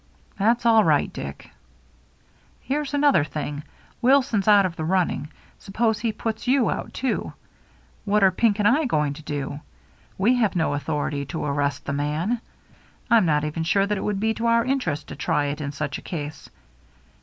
" That's all right, Dick." " Here's another thing. Wilson's out of the running — suppose he puts you out too. What are Pink and I going to do? We have no authority to arrest the man. I'm not even sure that it would be to our interest to try it in such a case.